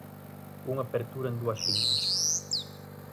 Unha apertura en dúas liñas.